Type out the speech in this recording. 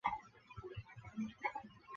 邓福如的奖项列表